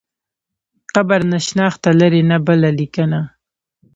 قبر نه شنخته لري نه بله لیکنه.